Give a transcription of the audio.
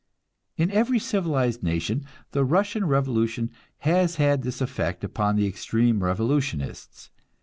In every civilized nation the Russian revolution has had this effect upon the extreme revolutionists.